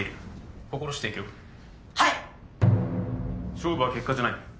勝負は結果じゃない。